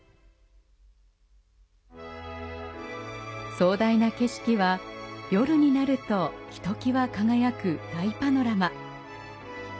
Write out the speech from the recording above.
壮大な景色は夜になるとひときわ輝く大パノラマ。